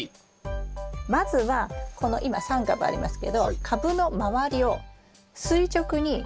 まずはこの今３株ありますけど株の周りを垂直に。